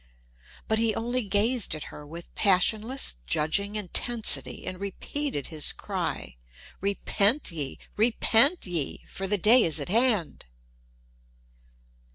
But he only gazed at her with passionless, judging intensity and repeated his cry, "Repent ye. Repent ye, for the day is at hand!"